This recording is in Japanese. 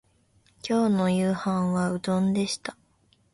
今日の夕飯はうどんでした